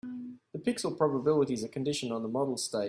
The pixel probabilities are conditioned on the model state.